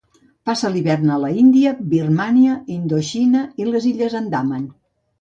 Passa l'hivern a l'Índia, Birmània, Indoxina i les illes Andaman.